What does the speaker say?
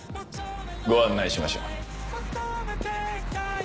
ご案内しましょう。